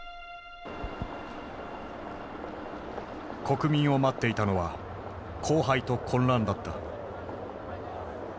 国民を待っていたのは荒廃と混乱だった。